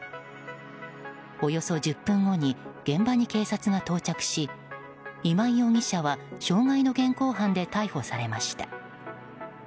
およそ１０分後に現場に警察が到着し今井容疑者は傷害の現行犯で逮捕されました。